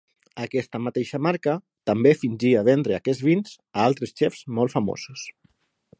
Aquesta mateixa marca també fingia vendre aquests vins a altres xefs molt famosos.